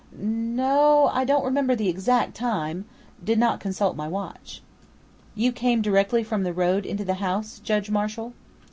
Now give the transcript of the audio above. N no, I don't remember the exact time, did not consult my watch." "You came directly from the road into the house, Judge Marshall?"